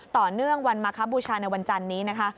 ต่อเนื่องวันมาคบูชาในวันจันนี้นะคะ